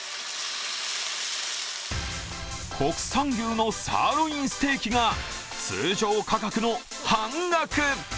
国産牛のサーロインステーキが通常価格の半額！